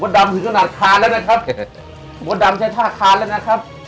ดำถึงขนาดคานแล้วนะครับมดดำใช้ท่าคานแล้วนะครับ